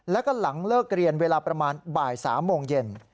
แล้วก็หลังเลิกเรียนเวลาประมาณบ่าย๓โมงเย็น